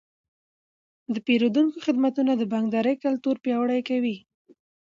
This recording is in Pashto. د پیرودونکو خدمتونه د بانکدارۍ کلتور پیاوړی کوي.